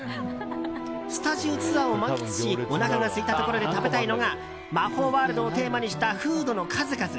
スタジオツアーを満喫しおなかがすいたところで食べたいのが魔法ワールドをテーマにしたフードの数々。